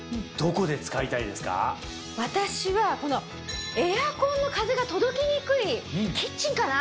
私はこのエアコンの風が届きにくいキッチンかな。